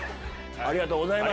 ありがとうございます。